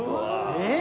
えっ？